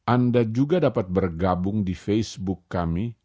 anda juga dapat bergabung di facebook kami